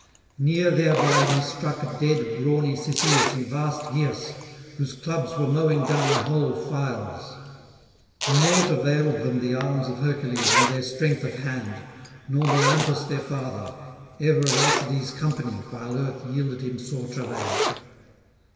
Near thereby he struck dead brawny Cisseus and vast Gyas, whose clubs were mowing down whole files: naught availed them the arms of Hercules and their strength of hand, nor Melampus their father, ever of Alcides' company while earth yielded him sore travail.